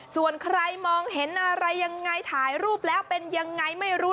ส่วนใครมองเห็นอะไรยังไงถ่ายรูปแล้วเป็นยังไงไม่รู้